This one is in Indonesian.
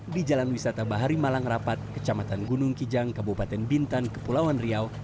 di jalan wisata bahari malang rapat kecamatan gunung kijang kabupaten bintan kepulauan riau